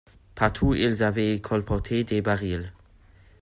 Partout ils avaient colporté des barils.